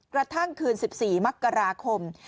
กระทั่งคืน๑๔มกราคม